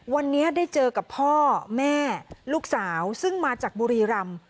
วันนี้ได้เจอกับพ่อแม่ลูกสาวซึ่งมาจากบุรีรำ